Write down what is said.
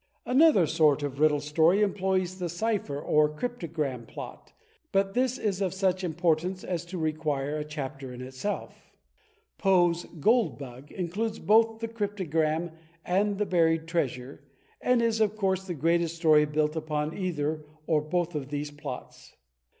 Another sort of Riddle Story employs the cjrpher or cryptogram plot, but this is of such importance as to require a chapter to itself. Poe*s "Gold Bug" includes both the cryptogram and the buried treasure, and is of course the greatest story built upon either or both of these plots.